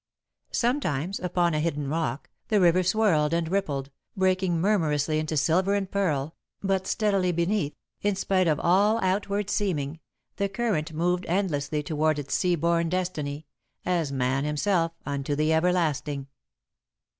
Sometimes, upon a hidden rock, the river swirled and rippled, breaking murmurously into silver and pearl, but steadily beneath, in spite of all outward seeming, the current moved endlessly toward its sea born destiny, as Man himself unto the Everlasting.